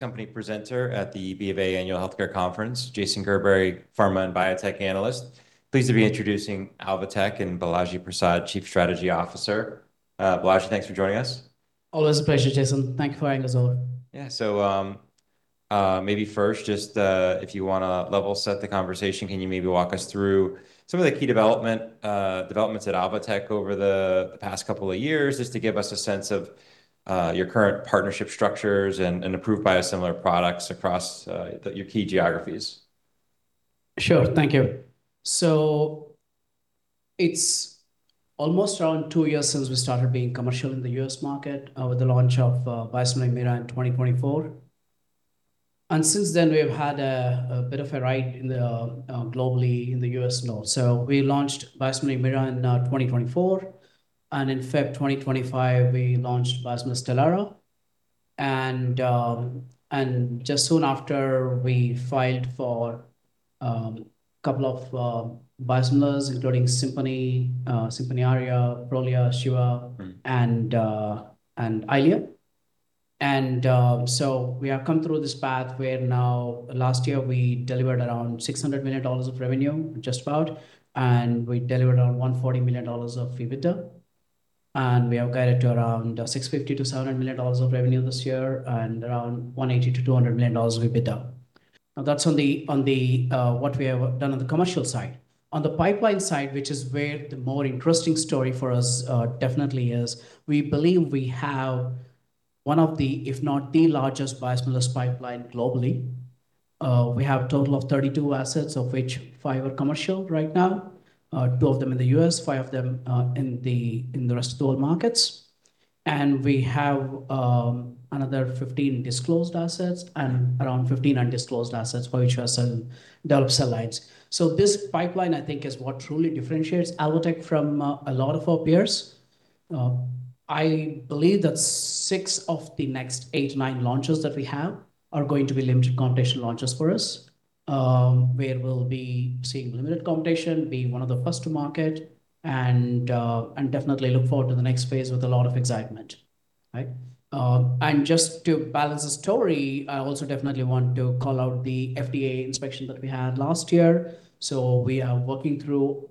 Company presenter at the BofA Annual Healthcare Conference, Jason Gerberry, pharma and biotech analyst. Pleased to be introducing Alvotech and Balaji Prasad, Chief Strategy Officer. Balaji, thanks for joining us. Always a pleasure, Jason. Thank you for having us over. Yeah. Maybe first just, if you wanna level set the conversation, can you maybe walk us through some of the key developments at Alvotech over the past couple of years, just to give us a sense of your current partnership structures and approved biosimilar products across your key geographies? Sure. Thank you. It's almost around two years since we started being commercial in the U.S. market with the launch of biosimilar Humira in 2024. Since then we have had a bit of a ride in the globally in the U.S. and all. We launched biosimilar Humira in 2024, and in February 2025, we launched biosimilar Stelara. Just soon after, we filed for couple of biosimilars, including SIMPONI ARIA, PROLIA, XGEVA and EYLEA. We have come through this path where now last year we delivered around $600 million of revenue, just about, and we delivered around $140 million of EBITDA. We have guided to around $650 million-$700 million of revenue this year and around $180 million-$200 million of EBITDA. Now, that's on the what we have done on the commercial side. On the pipeline side, which is where the more interesting story for us definitely is, we believe we have one of the, if not the largest biosimilars pipeline globally. We have a total of 32 assets, of which five are commercial right now, 12 of them in the U.S., five of them in the rest of world markets. We have another 15 disclosed assets and around 15 undisclosed assets for which are still in develop stages. This pipeline, I think, is what truly differentiates Alvotech from a lot of our peers. I believe that six of the next eight to nine launches that we have are going to be limited competition launches for us, where we'll be seeing limited competition, being one of the first to market and definitely look forward to the next phase with a lot of excitement. Just to balance the story, I also definitely want to call out the FDA inspection that we had last year. We are working through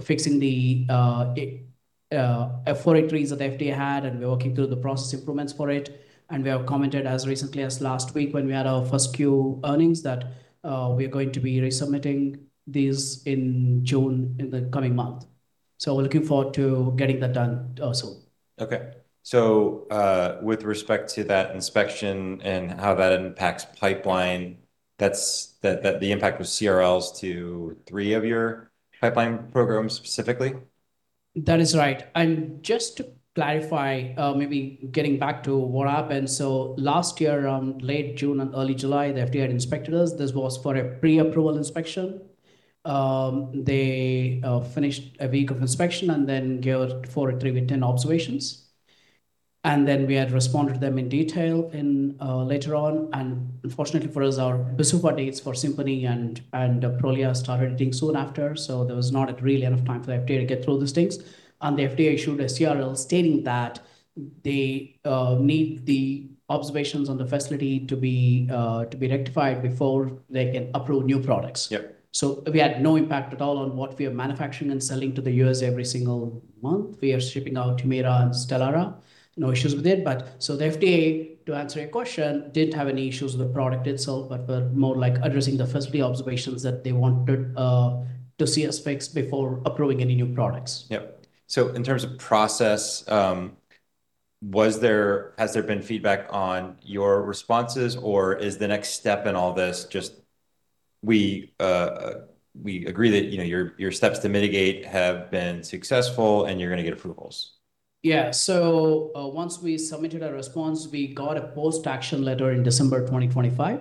fixing the Form 483s that FDA had, and we're working through the process improvements for it. We have commented as recently as last week when we had our 1Q earnings that, we are going to be resubmitting these in June, in the coming month. We're looking forward to getting that done soon. Okay. With respect to that inspection and how that impacts pipeline, that the impact was CRLs to three of your pipeline programs specifically? That is right. Just to clarify, maybe getting back to what happened. Last year, around late June and early July, the FDA had inspected us. This was for a pre-approval inspection. They finished a week of inspection and then gave Form 483s with 10 observations. We had responded to them in detail later on. Unfortunately for us, our PDUFA dates for SIMPONI and PROLIA started hitting soon after, so there was not really enough time for the FDA to get through these things. The FDA issued a CRL stating that they need the observations on the facility to be rectified before they can approve new products. Yep. We had no impact at all on what we are manufacturing and selling to the U.S. every single month. We are shipping out Humira and Stelara, no issues with it. The FDA, to answer your question, didn't have any issues with the product itself, but were more like addressing the facility observations that they wanted to see us fix before approving any new products. Yep. In terms of process, has there been feedback on your responses, or is the next step in all this just we agree that, you know, your steps to mitigate have been successful, and you're gonna get approvals? Yeah. Once we submitted our response, we got a action letter in December 2025,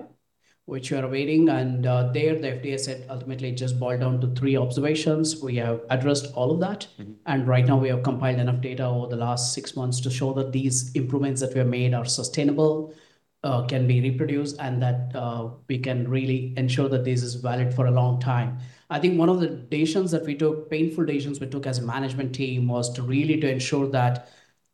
which we are awaiting. There the FDA said ultimately it just boiled down to three observations. We have addressed all of that. Right now we have compiled enough data over the last six months to show that these improvements that we have made are sustainable, can be reproduced, and that we can really ensure that this is valid for a long time. I think one of the decisions that we took, painful decisions we took as a management team, was to really to ensure that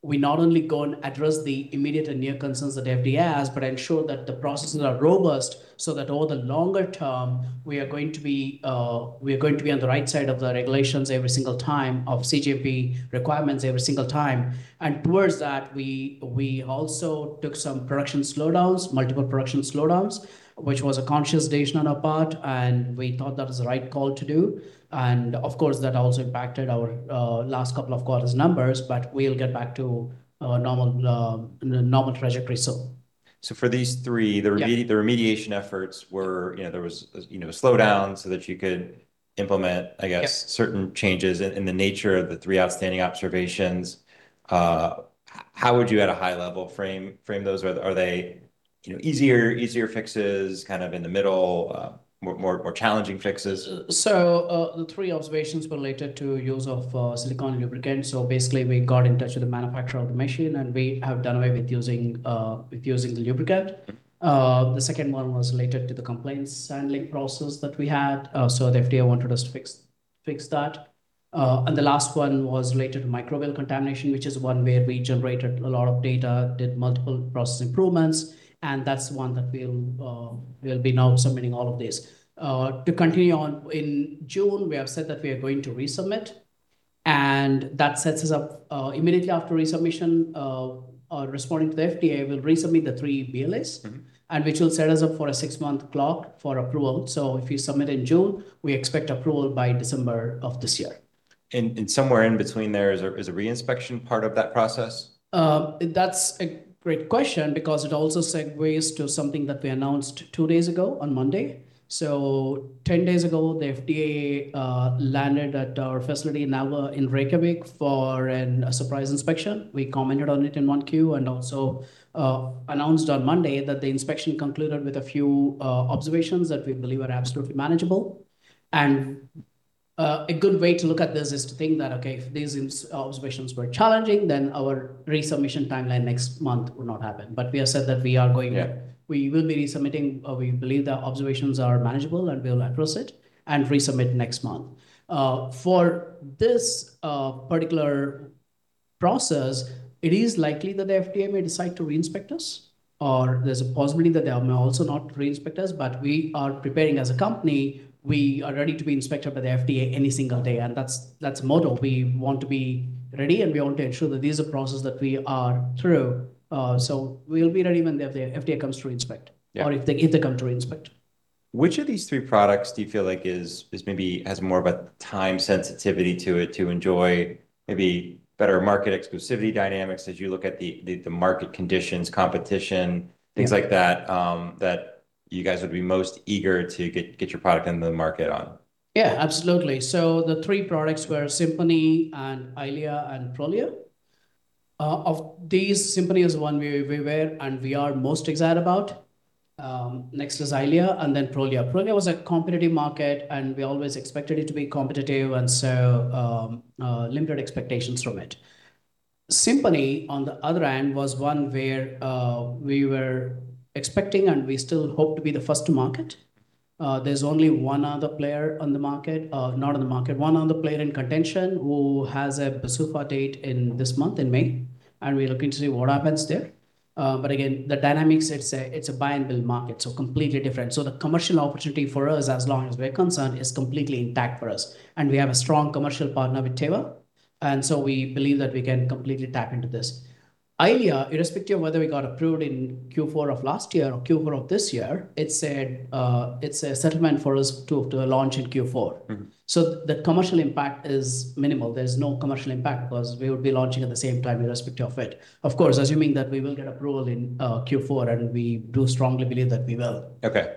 we not only go and address the immediate and near concerns that FDA has, but ensure that the processes are robust so that over the longer term we are going to be on the right side of the regulations every single time, of cGMP requirements every single time. Towards that, we also took some production slowdowns, multiple production slowdowns, which was a conscious decision on our part, and we thought that was the right call to do. Of course, that also impacted our last couple of quarters' numbers, but we'll get back to normal normal trajectory soon. For these three, the remediation efforts were, you know, there was, you know, a slowdown so that you could implement, I guess, certain changes in the nature of the three outstanding observations. How would you at a high level frame those? Are they, you know, easier fixes, kind of in the middle, more challenging fixes? The three observations related to use of silicone lubricant. We got in touch with the manufacturer of the machine, and we have done away with using the lubricant. The second one was related to the complaints handling process that we had. The FDA wanted us to fix that. The last one was related to microbial contamination, which is one where we generated a lot of data, did multiple process improvements, and that's one that we'll be now submitting all of this. To continue on, in June, we have said that we are going to resubmit, and that sets us up immediately after resubmission, responding to the FDA, we'll resubmit the three BLAs. Which will set us up for a six-month clock for approval. If we submit in June, we expect approval by December of this year. Somewhere in between there is a re-inspection part of that process? That's a great question because it also segues to something that we announced two days ago on Monday. 10 days ago, the FDA landed at our facility in Reykjavik for a surprise inspection. We commented on it in 1Q and also announced on Monday that the inspection concluded with a few observations that we believe are absolutely manageable. A good way to look at this is to think that, okay, if these observations were challenging, then our resubmission timeline next month would not happen. We have said that we are going- Yeah. We will be resubmitting. We believe the observations are manageable, and we'll address it and resubmit next month. For this particular process, it is likely that the FDA may decide to re-inspect us, or there's a possibility that they may also not re-inspect us. We are preparing as a company. We are ready to be inspected by the FDA any single day, and that's the motto. We want to be ready, and we want to ensure that these are processes that we are through. So we'll be ready when the FDA comes to inspect. Yeah. If they come to inspect. Which of these three products do you feel like is maybe, has more of a time sensitivity to it to enjoy maybe better market exclusivity dynamics as you look at the market conditions, competition, things like that you guys would be most eager to get your product into the market on? Yeah, absolutely. The three products were SIMPONI and EYLEA and PROLIA. Of these, SIMPONI is the one we were and we are most excited about. Next is EYLEA, and then PROLIA. PROLIA was a competitive market, and we always expected it to be competitive and so, limited expectations from it. SIMPONI, on the other hand, was one where we were expecting and we still hope to be the first to market. There's only one other player on the market. Not on the market. One other player in contention who has a PDUFA date in this month, in May, and we're looking to see what happens there. Again, the dynamics, it's a buy and bill market, completely different. The commercial opportunity for us, as long as we're concerned, is completely intact for us. We have a strong commercial partner with Teva, we believe that we can completely tap into this. EYLEA, irrespective of whether we got approved in Q4 of last year or Q4 of this year, it's a settlement for us to launch in Q4. The commercial impact is minimal. There's no commercial impact because we would be launching at the same time irrespective of it. Of course, assuming that we will get approval in Q4, and we do strongly believe that we will. Okay.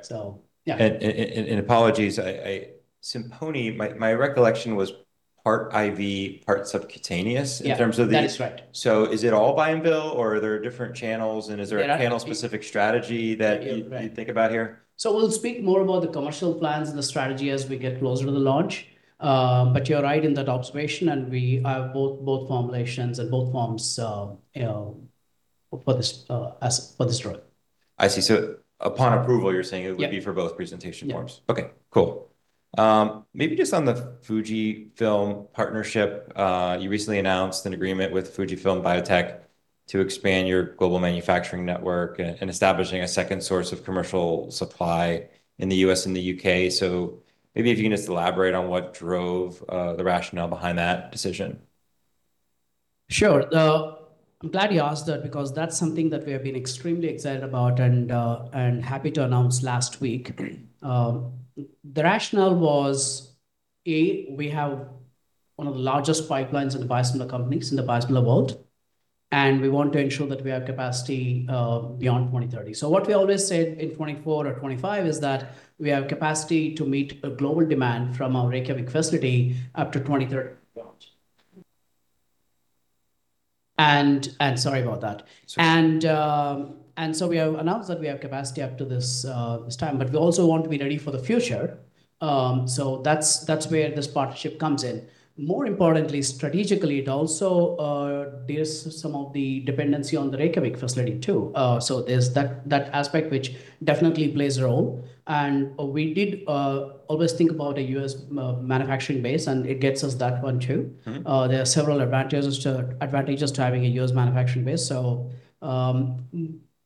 Yeah. Apologies, I SIMPONI, my recollection was part IV, part subcutaneous in terms of. That is right. Is it all buy and bill, or are there different channels? Yeah, I think. Is there channel-specific strategy that you think about here? We'll speak more about the commercial plans and the strategy as we get closer to the launch. You're right in that observation, and we have both formulations and both forms, you know, for this drug. I see. Upon approval, you're saying it would be for both presentation forms? Yeah. Okay, cool. Maybe just on the Fujifilm partnership, you recently announced an agreement with FUJIFILM Biotech to expand your global manufacturing network and establishing a second source of commercial supply in the U.S. and the U.K. Maybe if you can just elaborate on what drove the rationale behind that decision. Sure. I'm glad you asked that because that's something that we have been extremely excited about and happy to announce last week. The rationale was, A, we have one of the largest pipelines in the biosimilar companies, in the biosimilar world, and we want to ensure that we have capacity beyond 2030. What we always said in 2024 or 2025 is that we have capacity to meet a global demand from our Reykjavik facility up to 2030. Sorry about that. It's okay. We have announced that we have capacity up to this time, but we also want to be ready for the future. That's where this partnership comes in. More importantly, strategically, it also de-risks some of the dependency on the Reykjavik facility too. There's that aspect which definitely plays a role. We did always think about a U.S. manufacturing base, and it gets us that one too. There are several advantages to having a U.S. manufacturing base. It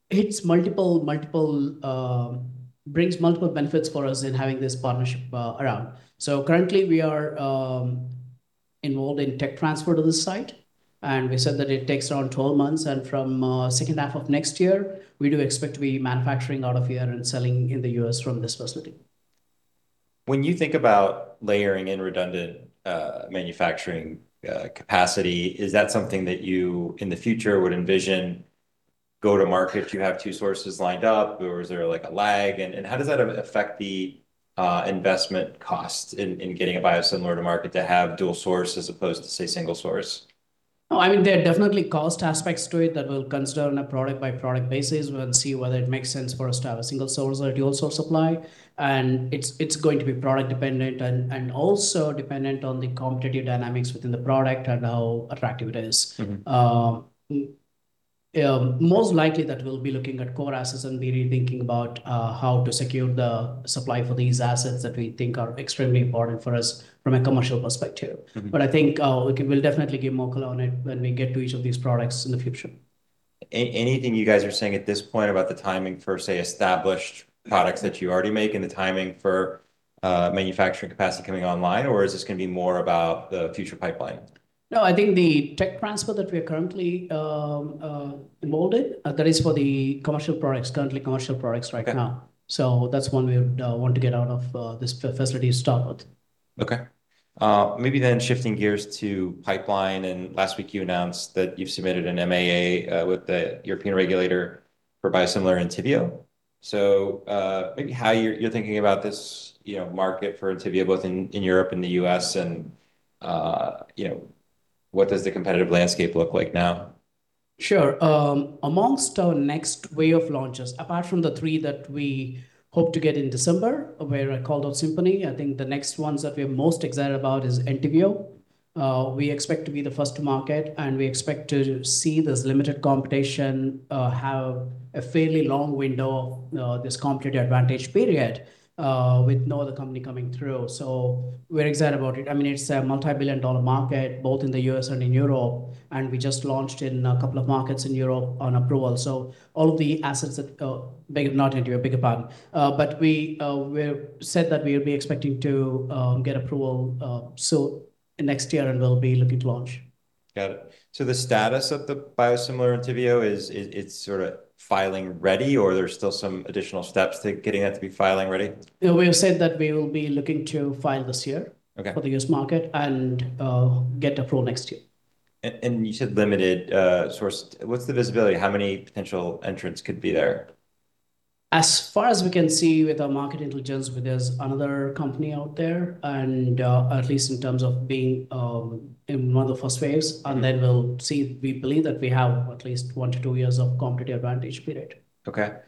brings multiple benefits for us in having this partnership around. Currently we are involved in tech transfer to this site, and we said that it takes around 12 months. From second half of next year, we do expect to be manufacturing out of here and selling in the U.S. from this facility. When you think about layering in redundant, manufacturing, capacity, is that something that you, in the future, would envision go to market if you have two sources lined up, or is there, like, a lag? How does that affect the investment costs in getting a biosimilar to market to have dual source as opposed to, say, single source? No, I mean, there are definitely cost aspects to it that we'll consider on a product-by-product basis. We'll see whether it makes sense for us to have a single source or a dual source supply. It's going to be product dependent and also dependent on the competitive dynamics within the product and how attractive it is. Most likely that we'll be looking at core assets and really thinking about how to secure the supply for these assets that we think are extremely important for us from a commercial perspective. I think, we'll definitely give more color on it when we get to each of these products in the future. Anything you guys are saying at this point about the timing for, say, established products that you already make and the timing for manufacturing capacity coming online? Is this gonna be more about the future pipeline? No, I think the tech transfer that we are currently involved in, that is for the currently commercial products right now. Okay. That's one way want to get out of this facility to start with. Okay. Maybe then shifting gears to pipeline, and last week you announced that you've submitted an MAA with the European regulator for biosimilar Entyvio. Maybe how you're thinking about this, you know, market for Entyvio both in Europe and the U.S. and, you know, what does the competitive landscape look like now? Sure. Amongst our next wave of launches, apart from the three that we hope to get in December, where I called out SIMPONI, I think the next ones that we're most excited about is Entyvio. We expect to be the first to market, we expect to see this limited competition, have a fairly long window of this competitive advantage period, with no other company coming through. We're excited about it. I mean, it's a multi-billion dollar market, both in the U.S. and in Europe, and we just launched in a couple of markets in Europe on approval. All of the assets that maybe not Entyvio, beg your pardon. We're set that we'll be expecting to get approval so next year, and we'll be looking to launch. Got it. The status of the biosimilar Entyvio is it's sorta filing ready, or there's still some additional steps to getting it to be filing ready? Yeah, we have said that we will be looking to file this year- Okay. for the U.S. market and, get approval next year. You said limited source. What's the visibility? How many potential entrants could be there? As far as we can see with our market intelligence, there's another company out there, and, at least in terms of being, in one of the first waves. Then we'll see. We believe that we have at least one to two years of competitive advantage period. Okay.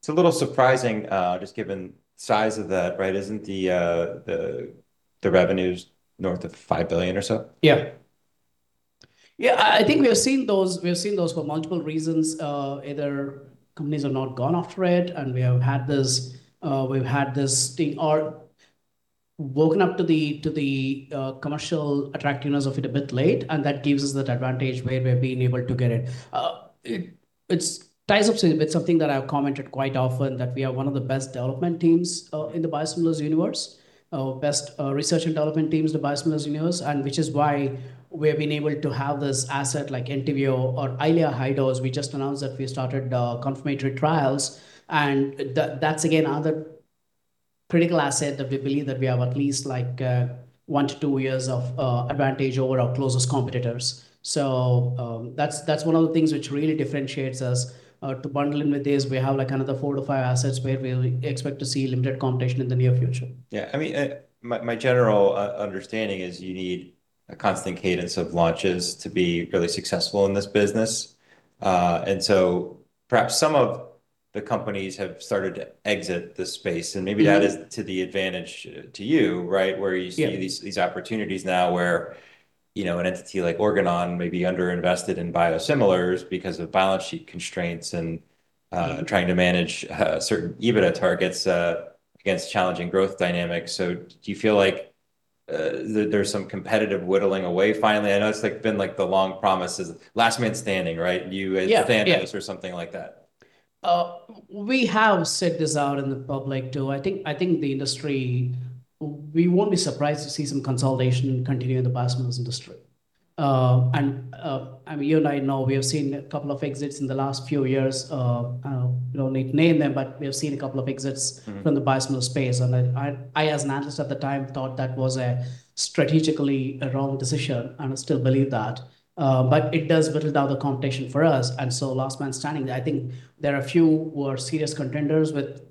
It's a little surprising, just given size of that, right? Isn't the revenues north of $5 billion or so? Yeah. Yeah, I think we have seen those, we have seen those for multiple reasons. Either companies have not gone after it, and we have had this, we've had this thing or woken up to the commercial attractiveness of it a bit late, and that gives us that advantage where we've been able to get it. It, it's ties up to a bit something that I've commented quite often, that we are one of the best development teams in the biosimilars universe. Best research and development teams in the biosimilars universe, and which is why we have been able to have this asset like Entyvio or EYLEA high dose. We just announced that we started confirmatory trials. That's again another critical asset that we believe that we have at least, like, one to two years of advantage over our closest competitors. That's one of the things which really differentiates us to bundle in with this. We have like another four to five assets where we expect to see limited competition in the near future. Yeah, I mean, my general understanding is you need a constant cadence of launches to be really successful in this business. Perhaps some of the companies have started to exit the space. That is to the advantage to you, right? Where you see these opportunities now where, you know, an entity like Organon may be under-invested in biosimilars because of balance sheet constraints and trying to manage certain EBITDA targets against challenging growth dynamics. Do you feel like there's some competitive whittling away finally? I know it's, like, been, like, the long promise is last man standing, right? Yeah. You would stand last or something like that. We have said this out in the public too. I think the industry, we won't be surprised to see some consolidation continue in the biosimilars industry. I mean, you and I know, we have seen a couple of exits in the last few years. No need to name them, but we have seen a couple of exits. from the biosimilars space. I as an analyst at the time thought that was a strategically a wrong decision, and I still believe that. It does whittle down the competition for us, last man standing. I think there are a few who are serious contenders with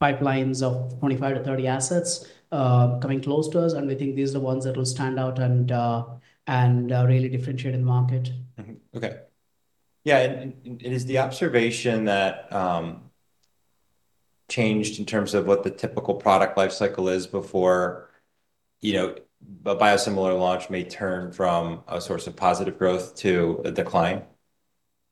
pipelines of 25 to 30 assets coming close to us, and we think these are the ones that will stand out and really differentiate in the market. Okay. Yeah, is the observation that changed in terms of what the typical product life cycle is before, you know, a biosimilar launch may turn from a source of positive growth to a decline?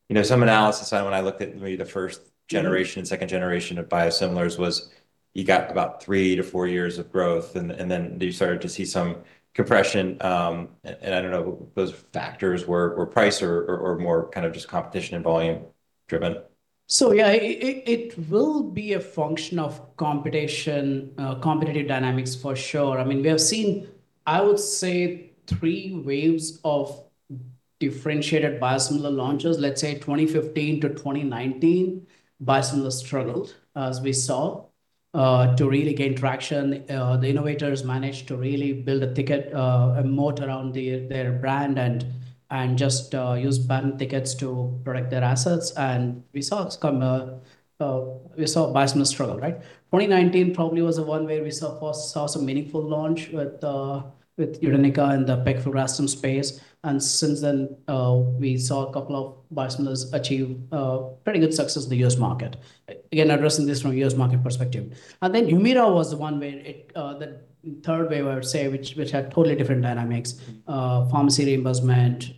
You know, some analysis when I looked at maybe the first generation, second generation of biosimilars was you got about three to four years of growth and then you started to see some compression. I don't know if those factors were price or more kind of just competition and volume driven. Yeah, it will be a function of competition, competitive dynamics for sure. I mean, we have seen, I would say, three waves of differentiated biosimilar launches. Let's say 2015 to 2019, biosimilars struggled, as we saw, to really gain traction. The innovators managed to really build a ticket, a moat around their brand and just use patent thickets to protect their assets. We saw it's come, we saw biosimilars struggle, right? 2019 probably was the one where we saw some meaningful launch with [Hukyndra] and the pegfilgrastim space. Since then, we saw a couple of biosimilars achieve pretty good success in the U.S. market. Again, addressing this from a U.S. market perspective. Humira was the one where it, the third wave I would say, which had totally different dynamics. Pharmacy reimbursement,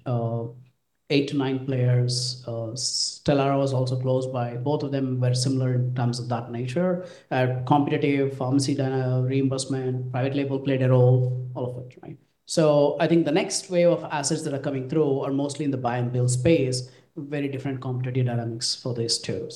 eight to nine players. Stelara was also close by. Both of them were similar in terms of that nature. Competitive pharmacy dynamic, reimbursement, private label played a role, all of it, right. I think the next wave of assets that are coming through are mostly in the buy and bill space. Very different competitive dynamics for these two.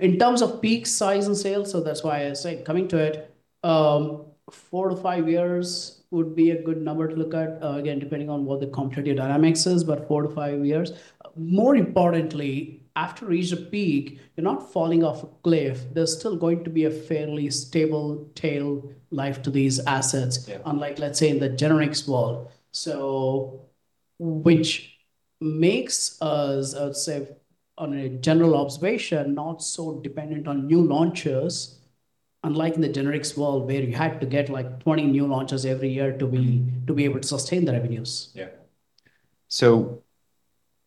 In terms of peak size and sales, so that's why I said coming to it, four to five years would be a good number to look at, again, depending on what the competitive dynamics is, but four to five years. More importantly, after you reach a peak, you're not falling off a cliff. There's still going to be a fairly stable tail life to these assets. Unlike, let's say, in the generics world, which makes us, I would say on a general observation, not so dependent on new launches, unlike in the generics world, where you had to get, like, 20 new launches every year to be able to sustain the revenues. Yeah.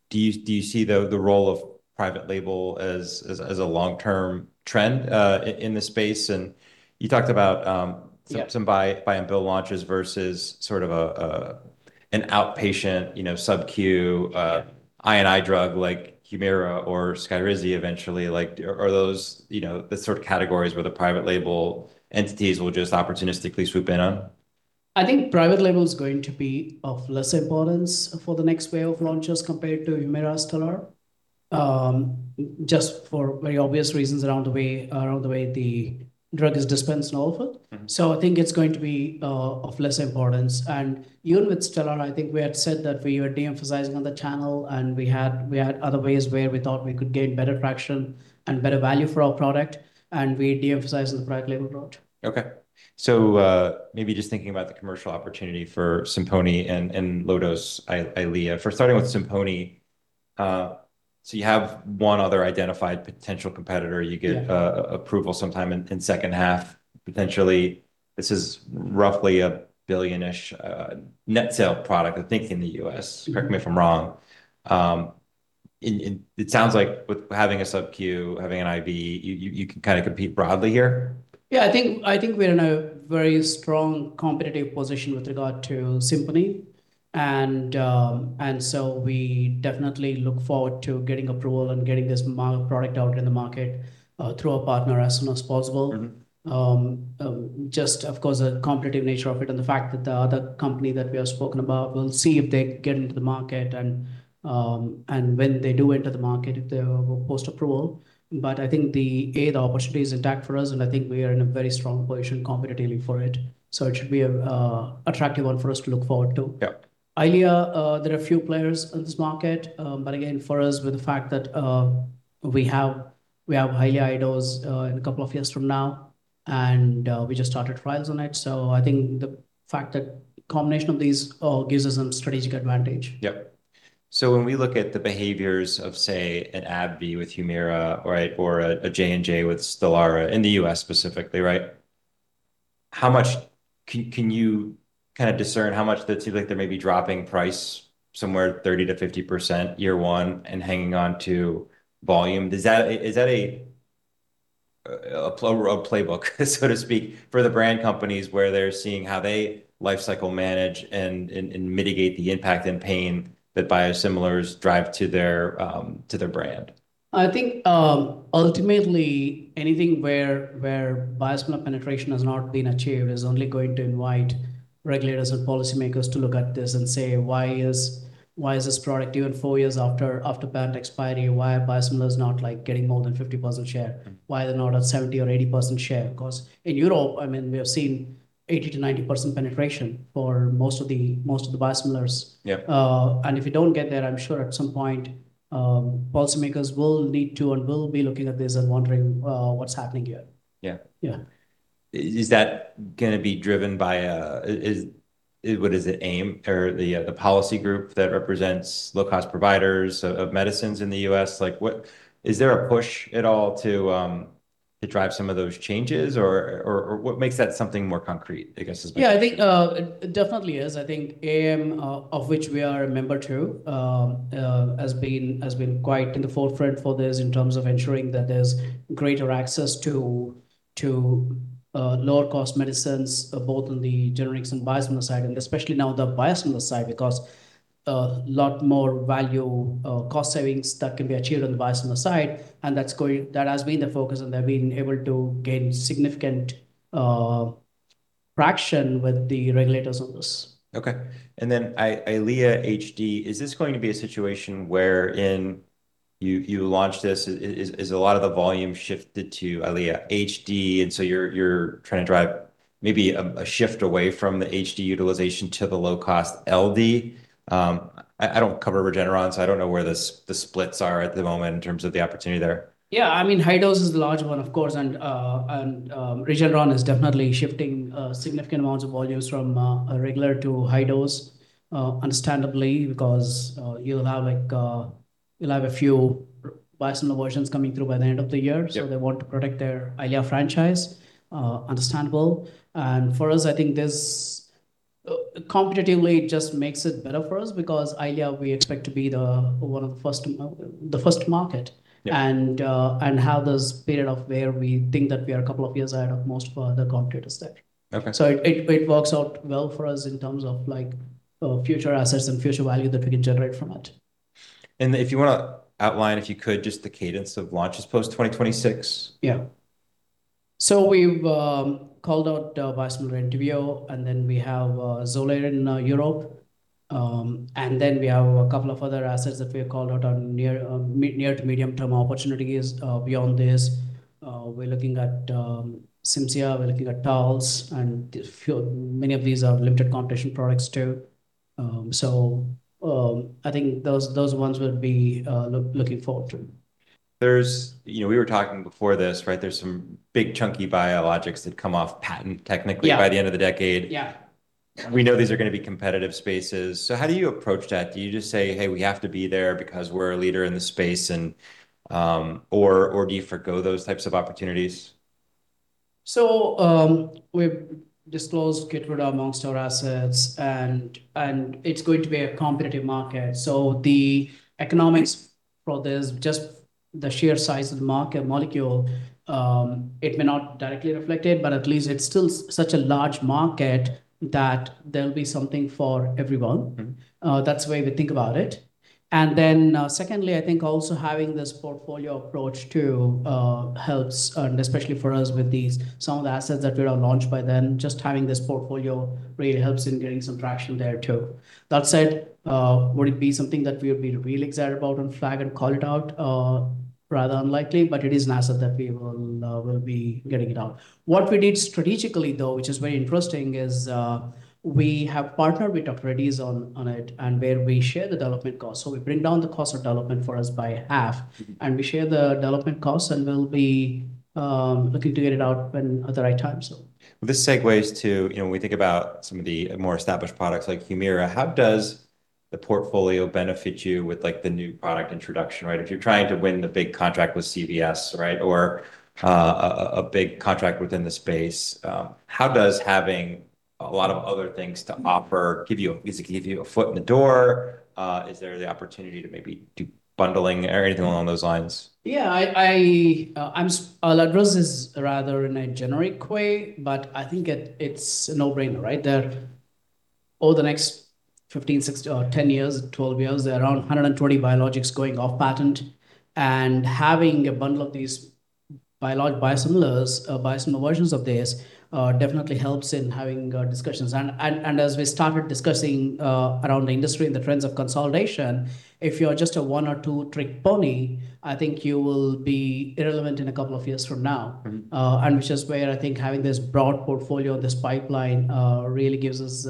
Do you see the role of private label as a long-term trend in this space? You talked about some buy and bill launches versus sort of an outpatient, you know, subcu. I&I drug like Humira or SKYRIZI eventually. Like, are those, you know, the sort of categories where the private label entities will just opportunistically swoop in on? I think private label is going to be of less importance for the next wave of launches compared to Humira or Stelara, just for very obvious reasons around the way the drug is dispensed and all of it. I think it's going to be of less importance. Even with Stelara, I think we had said that we were de-emphasizing on the channel, and we had other ways where we thought we could gain better traction and better value for our product, and we de-emphasized the private label route. Okay. Maybe just thinking about the commercial opportunity for SIMPONI and low-dose EYLEA. For starting with SIMPONI, you have one other identified potential competitor. Yeah. You get approval sometime in second half. Potentially, this is roughly a $1 billion-ish net sale product, I think, in the U.S. Correct me if I'm wrong. It sounds like with having a subcu, having an IV, you can kind of compete broadly here? I think we're in a very strong competitive position with regard to SIMPONI, and so we definitely look forward to getting approval and getting this product out in the market, through our partner as soon as possible. Just of course, the competitive nature of it and the fact that the other company that we have spoken about, we'll see if they get into the market and when they do enter the market, if they're post-approval. I think the opportunity is intact for us, and I think we are in a very strong position competitively for it, so it should be a attractive one for us to look forward to. Yeah. EYLEA, there are a few players in this market. Again, for us, with the fact that we have high EYLEA dose in a couple of years from now and we just started trials on it. I think the fact that combination of these gives us some strategic advantage. Yep. When we look at the behaviors of, say, an AbbVie with Humira or a J&J with Stelara in the U.S. specifically, right? Can you kind of discern how much that seems like they may be dropping price somewhere 30%-50% year one and hanging on to volume? Is that a playbook, so to speak, for the brand companies where they're seeing how they lifecycle manage and mitigate the impact and pain that biosimilars drive to their brand? I think, ultimately anything where biosimilar penetration has not been achieved is only going to invite regulators and policymakers to look at this and say, "Why is this product even four years after patent expiry, why are biosimilars not, like, getting more than 50% share? Why are they not at 70% or 80% share? Cause in Europe, I mean, we have seen 80%-90% penetration for most of the biosimilars. Yeah. If you don't get there, I'm sure at some point, policymakers will need to and will be looking at this and wondering what's happening here. Yeah. Yeah. Is that gonna be driven by, what is it, AAM or the policy group that represents low-cost providers of medicines in the U.S.? Like, is there a push at all to drive some of those changes? What makes that something more concrete, I guess, is my question. I think it definitely is. I think AAM, of which we are a member to, has been quite in the forefront for this in terms of ensuring that there's greater access to lower-cost medicines, both on the generics and biosimilar side, and especially now the biosimilar side because lot more value, cost savings that can be achieved on the biosimilar side and that has been the focus, and they've been able to gain significant traction with the regulators on this. Okay. EYLEA HD, is this going to be a situation wherein you launch this, is a lot of the volume shifted to EYLEA HD, and so you're trying to drive maybe a shift away from the HD utilization to the low-cost LD? I don't cover Regeneron, so I don't know where the splits are at the moment in terms of the opportunity there. Yeah, I mean, high dose is the large one of course, and Regeneron is definitely shifting significant amounts of volumes from regular to high dose. Understandably because you'll have like, you'll have a few biosimilar versions coming through by the end of the year. Yeah. They want to protect their EYLEA franchise. Understandable. For us, I think this competitively it just makes it better for us because EYLEA we expect to be one of the first market. Yeah. Have this period of where we think that we are a couple of years ahead of most of the competitors there. Okay. It works out well for us in terms of like, future assets and future value that we can generate from it. If you wanna outline, if you could, just the cadence of launches post-2026. We've called out biosimilar Entyvio, and then we have Xolair in Europe. We have a couple of other assets that we have called out on near to medium-term opportunities. Beyond this, we're looking at CIMZIA, we're looking at TALTZ, and many of these are limited competition products too. I think those ones we'll be looking forward to. You know, we were talking before this, right? There's some big chunky biologics that come off patent technically by the end of the decade. Yeah. We know these are gonna be competitive spaces. How do you approach that? Do you just say, "Hey, we have to be there because we're a leader in the space," or do you forgo those types of opportunities? We've disclosed KEYTRUDA amongst our assets and it's going to be a competitive market. The economics for this, just the sheer size of the market molecule, it may not directly reflect it, but at least it's still such a large market that there'll be something for everyone. That's the way we think about it. Secondly, I think also having this portfolio approach too, helps, especially for us with these, some of the assets that we are launched by then, just having this portfolio really helps in getting some traction there too. Would it be something that we would be really excited about and flag and call it out? Rather unlikely, but it is an asset that we will be getting it out. What we did strategically, though, which is very interesting, is, we have partnered with [Operatis] on it and where we share the development cost. We bring down the cost of development for us by half. We share the development cost, and we'll be, looking to get it out when, at the right time, so. This segues to, you know, when we think about some of the more established products like Humira, how does the portfolio benefit you with, like, the new product introduction, right? If you're trying to win the big contract with CVS, right? A big contract within the space, how does having a lot of other things to offer give you, basically give you a foot in the door? Is there the opportunity to maybe do bundling or anything along those lines? Yeah. I'll address this rather in a generic way, but I think it's a no-brainer, right? There, over the next 15 or 10 years, 12 years, there are around 120 biologics going off patent. Having a bundle of these biosimilars, biosimilar versions of this, definitely helps in having discussions. As we started discussing around the industry and the trends of consolidation, if you are just a one or two trick pony, I think you will be irrelevant in a couple of years from now. Which is where I think having this broad portfolio, this pipeline, really gives us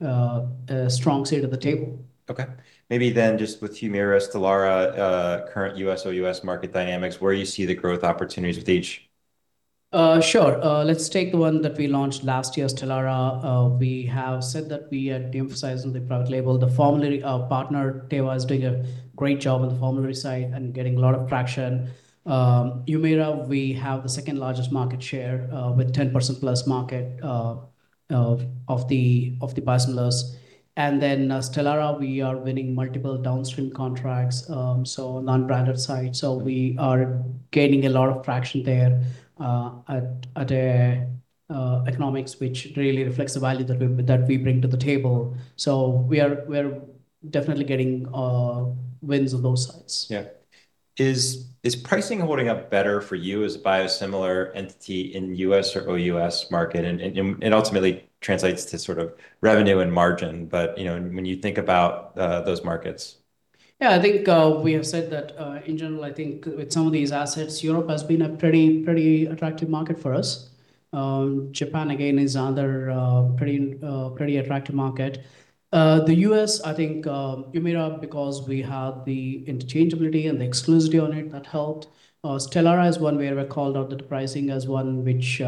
a strong seat at the table. Okay. Maybe just with Humira, Stelara, current U.S. or U.S. market dynamics, where you see the growth opportunities with each. Sure. Let's take the one that we launched last year, Stelara. We have said that we are de-emphasizing the private label. The formulary partner, Teva, is doing a great job on the formulary side and getting a lot of traction. Humira, we have the second-largest market share, with 10%+ market of the biosimilars. Stelara, we are winning multiple downstream contracts, so non-branded side. We are gaining a lot of traction there, at a economics which really reflects the value that we bring to the table. We are definitely getting wins on both sides. Is pricing holding up better for you as a biosimilar entity in U.S. or OUS market? It ultimately translates to sort of revenue and margin, but, you know, when you think about those markets. Yeah. We have said that, in general, I think with some of these assets, Europe has been a pretty attractive market for us. Japan again is another pretty attractive market. The U.S., I think, Humira because we have the interchangeability and the exclusivity on it, that helped. Stelara is one where we called out that the pricing as one which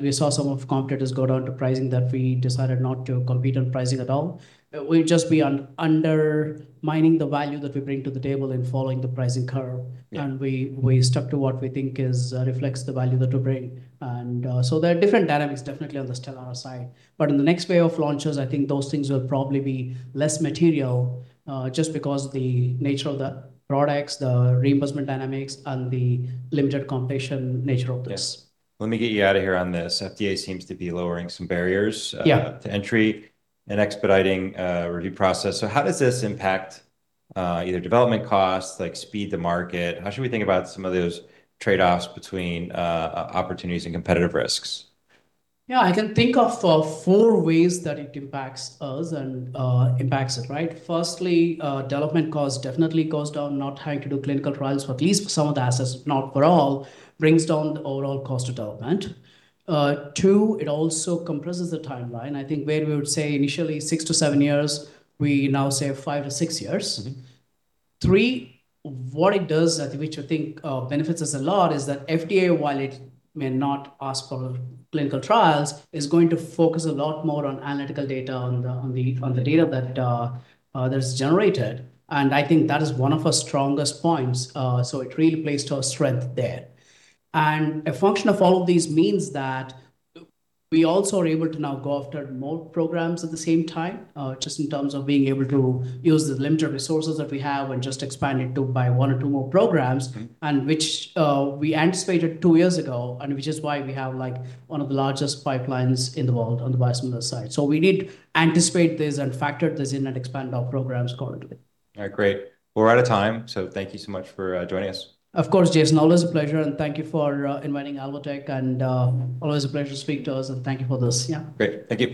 we saw some of competitors go down to pricing that we decided not to compete on pricing at all. We'd just be undermining the value that we bring to the table in following the pricing curve. We stuck to what we think is reflects the value that we bring. There are different dynamics definitely on the Stelara side. In the next wave of launches, I think those things will probably be less material just because the nature of the products, the reimbursement dynamics, and the limited competition nature of this. Let me get you out of here on this. FDA seems to be lowering some barriers to entry and expediting review process. How does this impact either development costs, like speed to market? How should we think about some of those trade-offs between opportunities and competitive risks? Yeah. I can think of four ways that it impacts us and impacts it, right? Firstly, development cost definitely goes down, not having to do clinical trials for at least some of the assets, not for all, brings down the overall cost of development. Two, it also compresses the timeline. I think where we would say initially six to seven years, we now say five to six years. Three, what it does, I think, which I think benefits us a lot, is that FDA, while it may not ask for clinical trials, is going to focus a lot more on analytical data on the data that that's generated. I think that is one of our strongest points. It really plays to our strength there. A function of all of these means that we also are able to now go after more programs at the same time, just in terms of being able to use the limited resources that we have and just expand it to by one or two more programs. Which we anticipated two years ago, and which is why we have, like, one of the largest pipelines in the world on the biosimilar side. We did anticipate this and factored this in and expand our programs accordingly. All right. Great. We're out of time. Thank you so much for joining us. Of course, Jason. Always a pleasure, and thank you for inviting Alvotech. Always a pleasure to speak to us, and thank you for this. Yeah. Great. Thank you.